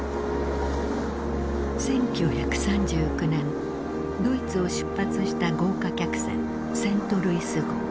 １９３９年ドイツを出発した豪華客船セントルイス号。